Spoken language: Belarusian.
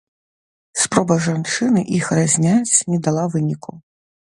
Спроба жанчыны іх разняць не дала выніку.